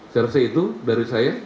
saya rasa itu dari saya